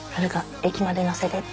駅まで乗せてって。